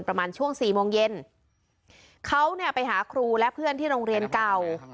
ประมาณช่วงสี่โมงเย็นเขาเนี่ยไปหาครูและเพื่อนที่โรงเรียนเก่า